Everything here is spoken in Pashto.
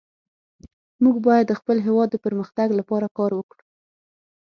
موږ باید د خپل هیواد د پرمختګ لپاره کار وکړو